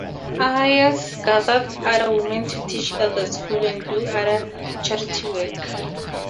Ayres gathered other women to teach at the school and do other charity work.